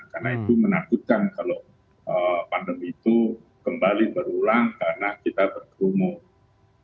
karena itu menakutkan kalau pandemi itu kembali berulang karena kita bergumul